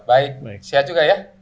baik sehat juga ya